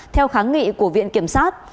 theo kháng nghị của viện kiểm soát